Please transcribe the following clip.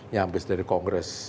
yang bis dari kongres